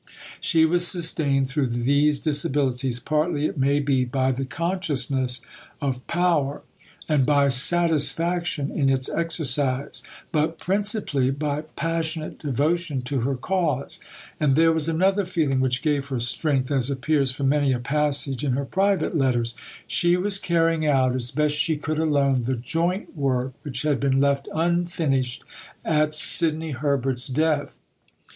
She was sustained through these disabilities partly, it may be, by the consciousness of power and by satisfaction in its exercise, but principally by passionate devotion to her cause. And there was another feeling which gave her strength, as appears from many a passage in her private letters. She was carrying out, as best she could alone, the "joint work" which had been left "unfinished" at Sidney Herbert's death.